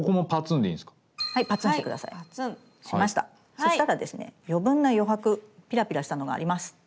そしたらですね余分な余白ピラピラしたのがあります。